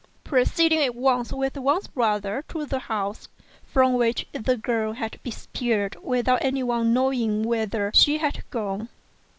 pro ceeding at once with Wang's brother to the house, from which the girl had disappeared without anyone knowing whither she had gone.